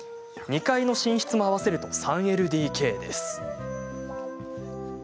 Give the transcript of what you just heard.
２階の寝室も合わせると３ＬＤＫです。